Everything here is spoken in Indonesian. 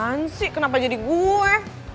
an sih kenapa jadi gue